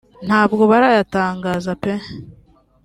ntabwo barayatangaza pe”